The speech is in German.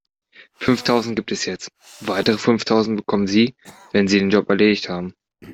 Fünftausend gibt es jetzt, weitere fünftausend bekommen Sie, wenn Sie den Job erledigt haben.